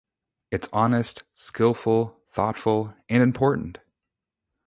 It's honest, skilful, thoughtful and important.